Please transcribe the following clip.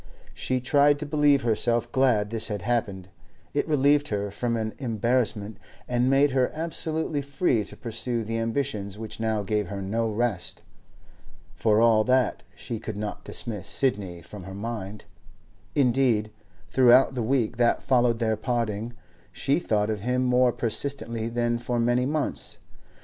She tried to believe herself glad this had happened; it relieved her from an embarrassment, and made her absolutely free to pursue the ambitions which now gave her no rest. For all that, she could not dismiss Sidney from her mind; indeed, throughout the week that followed their parting, she thought of him more persistently than for many months.